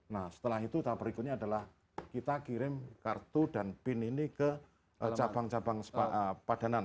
nah setelah itu tahap berikutnya adalah kita kirim kartu dan bin ini ke cabang cabang padanan